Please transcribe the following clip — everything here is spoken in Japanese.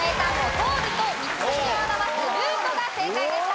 トールと道すじを表すルートが正解でした。